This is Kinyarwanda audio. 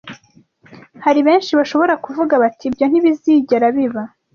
Hari benshi bashobora kuvuga bati ibyo ntibizigera biba